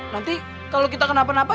nanti kalau kita kena apa apa